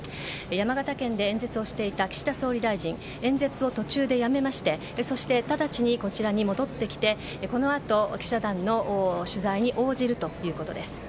山形県で演説をしていた岸田総理大臣演説を途中でやめましてそして、直ちにこちらに戻ってきてこのあと、記者団の取材に応じるということです。